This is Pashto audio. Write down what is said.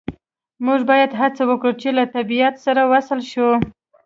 موږ باید هڅه وکړو چې له طبیعت سره وصل شو